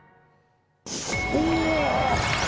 お！